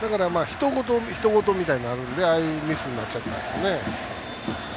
ひと事みたいになるんでああいうミスになっちゃうんですね。